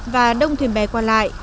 và đông thuyền bè qua lại